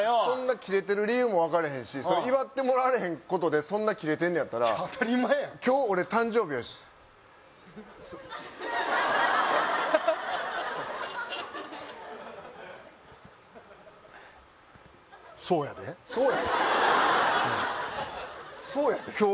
そんなキレてる理由も分かれへんしそれ祝ってもらわれへんことでそんなキレてんのやったら当たり前やん今日俺誕生日やしそうやでそうやで？